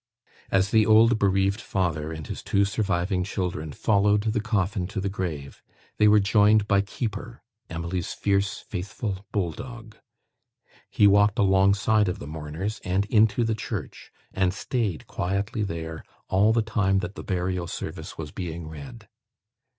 As the old, bereaved father and his two surviving children followed the coffin to the grave, they were joined by Keeper, Emily's fierce, faithful bull dog. He walked alongside of the mourners, and into the church, and stayed quietly there all the time that the burial service was being read.